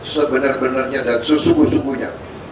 sebenarnya dan sesungguh sungguhnya